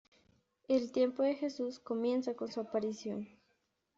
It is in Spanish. El tiempo de Jesús comienza con su aparición.